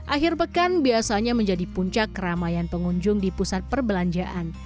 akhir pekan biasanya menjadi puncak keramaian pengunjung di pusat perbelanjaan